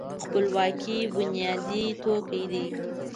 خپلواکي بنیادي توکی دی.